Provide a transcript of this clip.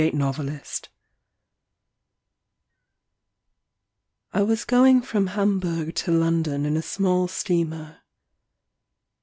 ON THE SEA I WAS going from Hamburg to London in a small steamer.